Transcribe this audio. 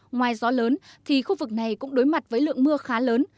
ngoài gió lớn thì khu vực này cũng đối mặt với lượng mưa khá lớn